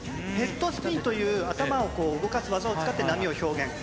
ヘッドスピンという頭をこう動かす技を使って、波を表現。